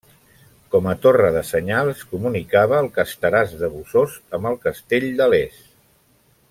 Com a torre de senyals comunicava el Casteràs de Bossòst amb el castell de Les.